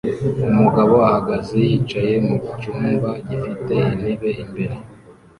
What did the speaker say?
Umugabo ahagaze yicaye mucyumba gifite intebe imbere